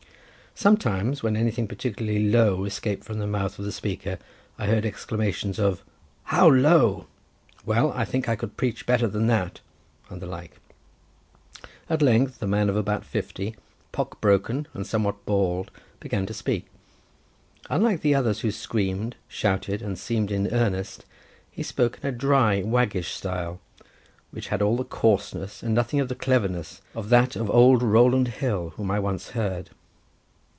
Sometimes, when anything particularly low escaped from the mouth of the speaker, I heard exclamations of "How low! well, I think I could preach better than that," and the like. At length a man of about fifty, pock broken and somewhat bald, began to speak: unlike the others who screamed, shouted, and seemed in earnest, he spoke in a dry, waggish style, which had all the coarseness and nothing of the cleverness of that of old Rowland Hill, whom I once heard.